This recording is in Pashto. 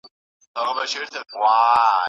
کندارۍ ملالې تا چې خامک کړی